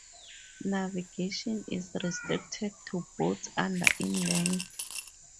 Navigation is restricted to boats under in length.